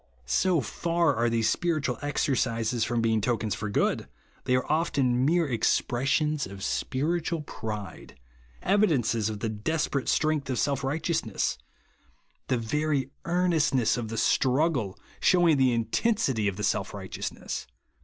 So far are these spiritual exercises from being tokens for good, they are often mere expressions of spiritual pride, — evi dences of the desperate strength of self righteousness ; the very earnestness of the .struggle shewing the intensity of the self righteousness.